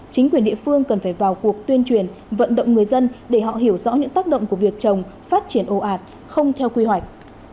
chính quyền địa phương cần phải vào cuộc tuyên truyền vận động người dân để họ hiểu rõ những tác động của việc trồng phát triển ồ ạt không theo quy hoạch